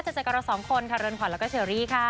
เจอกับเราสองคนค่ะเรือนขวัญแล้วก็เชอรี่ค่ะ